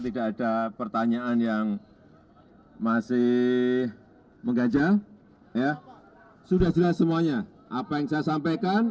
tidak ada pertanyaan yang masih mengganjal sudah jelas semuanya apa yang saya sampaikan